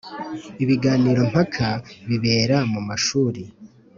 Ibiganiro mpaka bibera mu mashuri